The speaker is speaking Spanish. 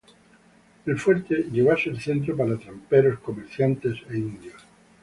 El fuerte llegó a ser centro para tramperos, comerciantes e indios.